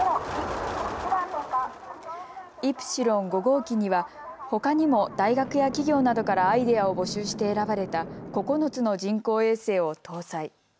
イプシロン５号機にはほかにも大学や企業などからアイデアを募集して選ばれた９つの人工衛星を搭載。